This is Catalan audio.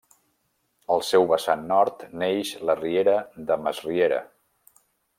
Al seu vessant nord neix la Riera de Mas Riera.